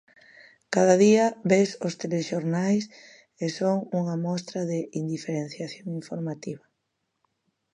Cada día ves os telexornais e son unha mostra de "indiferenciación informativa".